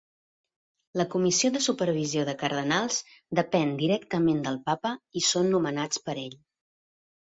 La Comissió de Supervisió de Cardenals depèn directament del Papa i són nomenats per ell.